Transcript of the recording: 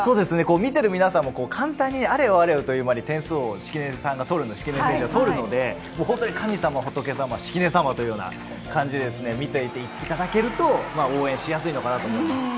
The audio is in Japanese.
見てる皆さんも、あれよあれよという間に点数を敷根選手が取るので本当に神様、仏様、敷根様という感じで見ていただけると応援しやすいかなと思います。